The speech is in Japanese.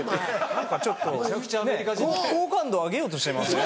何かちょっとねぇ好感度上げようとしてません？